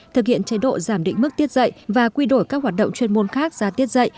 thực hiện chế độ giảm định mức tiết dạy và quy đổi các hoạt động chuyên môn khác ra tiết dạy